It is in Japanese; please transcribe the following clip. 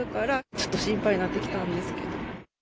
ちょっと心配になって来たんですけど。